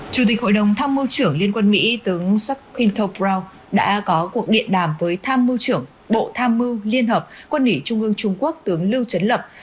chủ tịch hội đồng tham mưu trưởng liên quân mỹ tướng jacques quinto brown đã có cuộc điện đàm với tham mưu trưởng bộ tham mưu liên hợp quân nghỉ trung ương trung quốc tướng lưu trấn lập